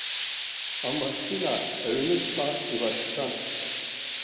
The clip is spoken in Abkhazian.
Амашьына аҩныҵҟа илашьцан.